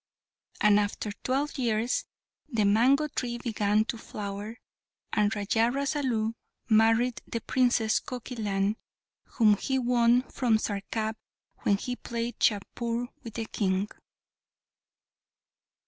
And after twelve years, the mango tree began to flower, and Raja Rasalu married the Princess Kokilan, whom he won from Sarkap when he played chaupur with the King.